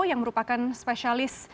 yang merupakan spesialis